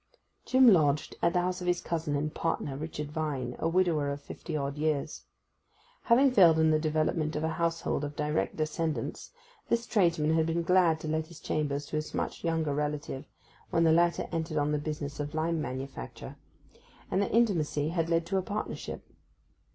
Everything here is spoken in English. Jim lodged at the house of his cousin and partner, Richard Vine, a widower of fifty odd years. Having failed in the development of a household of direct descendants this tradesman had been glad to let his chambers to his much younger relative, when the latter entered on the business of lime manufacture; and their intimacy had led to a partnership.